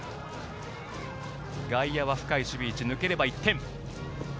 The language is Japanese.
外野は深い守備位置で抜ければ１点。